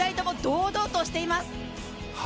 堂々としています。